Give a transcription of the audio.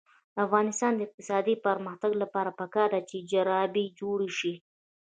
د افغانستان د اقتصادي پرمختګ لپاره پکار ده چې جرابې جوړې شي.